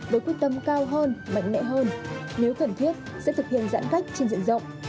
với quyết tâm cao hơn mạnh mẽ hơn nếu cần thiết sẽ thực hiện giãn cách trên diện rộng